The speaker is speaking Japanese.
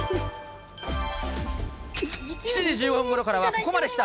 ７時１５分ごろからは、ここまで来た！